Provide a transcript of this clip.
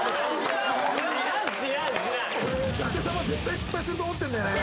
絶対失敗すると思ってるんだよね